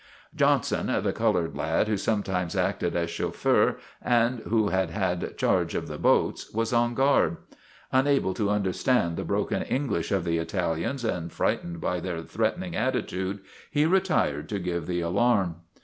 Johnson, the colored lad who sometimes acted as chauffeur and who had had charge of the boats, was on guard. Unable to understand the broken Eng 148 STRIKE AT TIVERTOX MANOR lish of the Italians, and frightened by their threat ening attitude, he retired to give the alarm.